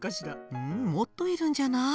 うんもっといるんじゃない？